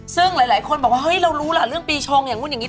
ซึ่งหลายคนบอกว่าเฮ้ยเรารู้ล่ะเรื่องปีชงอย่างนู้นอย่างนี้